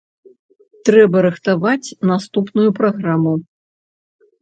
Трэба рыхтаваць наступную праграму.